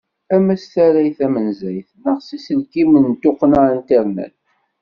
Ama s tarrayt tamensayt neɣ s yiselkimen d tuqqna internet.